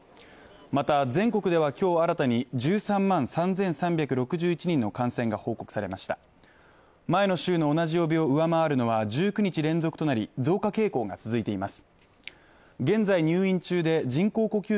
また全国ではきょう新たに１３万３３６１人の感染が報告されました前の週の同じ曜日を上回るのは１９日連続となり増加傾向が続いています